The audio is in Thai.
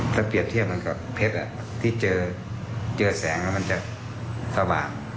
ถ้าเปรียบเทียบเหมือนกับเพชรที่เจอแสงแล้วมันจะสว่าง